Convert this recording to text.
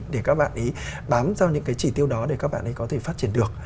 để các bạn ý bám vào những cái chỉ tiêu đó để các bạn ấy có thể phát triển được